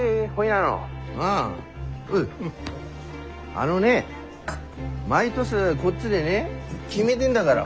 あのね毎年こっちでね決めてんだがら。